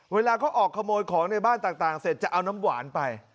เวลาเขาออกขโมยของในบ้านต่างเสร็จจะเอาน้ำหวานไป